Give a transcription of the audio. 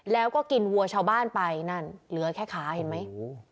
แล้วก็กินวัวชาวบ้านไปนั่นเหลือแค่ขาเห็นไหม